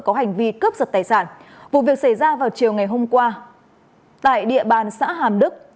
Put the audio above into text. có hành vi cướp giật tài sản vụ việc xảy ra vào chiều ngày hôm qua tại địa bàn xã hàm đức